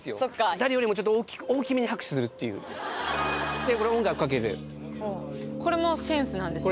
誰よりも大きめに拍手するっていうこれ音楽かけるこれもセンスなんですね？